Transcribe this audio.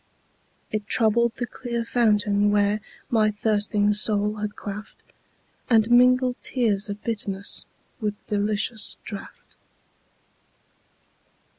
It troubled the clear fountain where My thirsting soul had quaffed, And mingled tears of bitterness With the delicious draught.